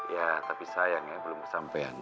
ya tapi sayang ya belum kesampaian